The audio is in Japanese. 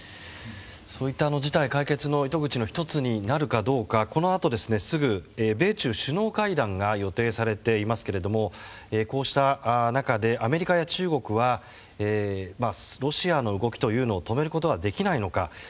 そういった事態解決の糸口の１つになるかどうかこのあとすぐ、米中首脳会談が予定されていますけれどもこうした中、アメリカや中国はロシアの動きを止めることができないのか。